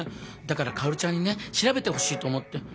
だから薫ちゃんにね調べてほしいと思って。